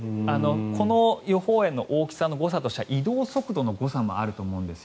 この予報円の大きさの誤差としては移動手段の誤差もあると思うんです。